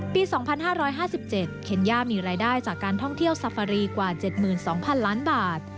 ปี๒๕๕๗เคนย่ามีรายได้จากการท่องเที่ยวซาฟารีกว่า๗๒๐๐๐ล้านบาท